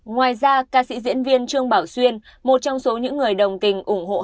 ngoài ra ca sĩ diễn viên trương bảo xuyên một trong số những người đồng tình